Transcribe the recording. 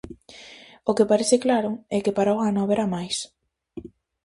O que parece claro, é que para o ano haberá máis.